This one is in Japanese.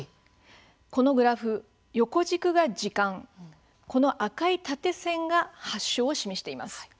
このグラフ横軸が時間この赤い縦線が発症を示しています。